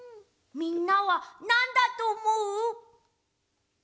みんなはなんだとおもう？